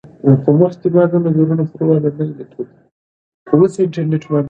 د واک نه کنټرول ستونزې جوړوي